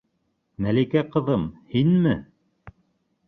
Мәликә ҡыҙым, һинме?!